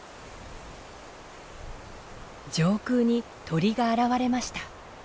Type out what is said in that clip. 上空に鳥が現れました。